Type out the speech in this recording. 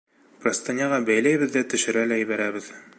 Простыняға бәйләйбеҙ ҙә төшөрә лә ебәрәбеҙ.